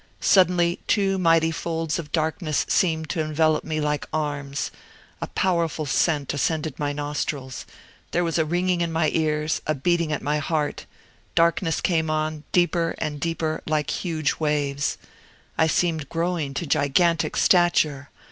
Suddenly two mighty folds of darkness seemed to envelop me like arms. A powerful scent ascended my nostrils. There was a ringing in my ears, a beating at my heart. Darkness came on, deeper and deeper, like huge waves. I seemed growing to gigantic stature.